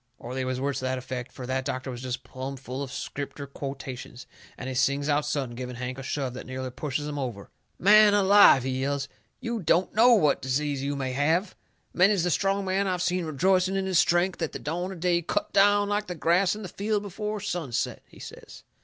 Or they was words to that effect, fur that doctor was jest plumb full of Scripter quotations. And he sings out sudden, giving Hank a shove that nearly pushes him over: "Man alive!" he yells, "you DON'T KNOW what disease you may have! Many's the strong man I've seen rejoicing in his strength at the dawn of day cut down like the grass in the field before sunset," he says.